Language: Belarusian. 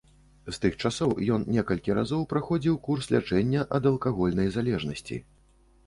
З тых часоў ён некалькі разоў праходзіў курс лячэння ад алкагольнай залежнасці.